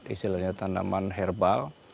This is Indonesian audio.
istilahnya tanaman herbal